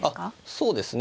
そうですね。